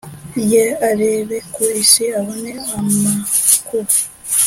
Ye arebe ku isi abone amakuba